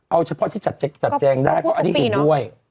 เอาเฉพาะที่จัดแจงได้ก็อันนี้เห็นด้วย